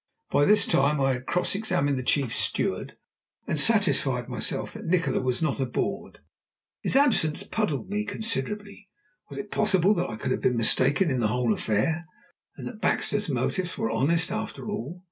By this time I had cross examined the chief steward, and satisfied myself that Nikola was not aboard. His absence puzzled me considerably. Was it possible that I could have been mistaken in the whole affair, and that Baxter's motives were honest after all?